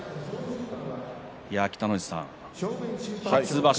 北の富士さん、初場所